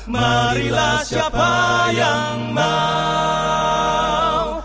marilah siapa yang mau